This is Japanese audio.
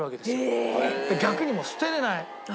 逆にもう捨てられない。